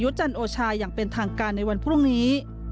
จันทร์โอชาอย่างเป็นทางการในวันพรุ่งนี้